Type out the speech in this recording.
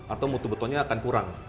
atau mutu betonnya akan kurang